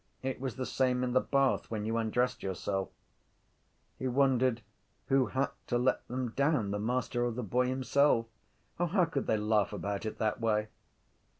It was the same in the bath when you undressed yourself. He wondered who had to let them down, the master or the boy himself. O how could they laugh about it that way?